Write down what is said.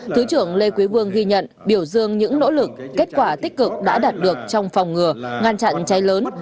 thứ trưởng lê quý vương ghi nhận biểu dương những nỗ lực kết quả tích cực đã đạt được trong phòng ngừa ngăn chặn cháy lớn